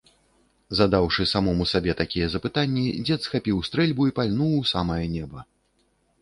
Задаўшы самому сабе такія запытанні, дзед схапіў стрэльбу і пальнуў у самае неба.